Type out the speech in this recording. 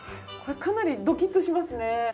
これかなりドキッとしますね。